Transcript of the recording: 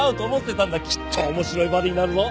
きっと面白いバディになるぞ。